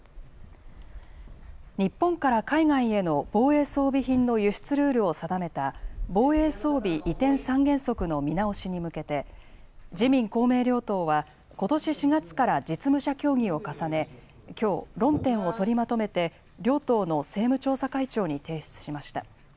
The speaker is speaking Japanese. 日本から海外への防衛装備品の輸出ルールを定めた防衛装備移転三原則の見直しに向けて自民公明両党はことし４月から実務者協議を重ねきょう論点を取りまとめて両党の政務調査会長に提出しました。